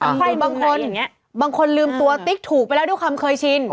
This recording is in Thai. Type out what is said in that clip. ใครบางคนบางคนลืมตัวติ๊กถูกไปแล้วด้วยความเคยชิน